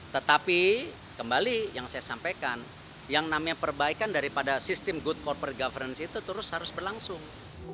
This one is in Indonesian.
tetapi kembali yang saya sampaikan yang namanya perbaikan daripada sistem good corporate governance itu terus harus berlangsung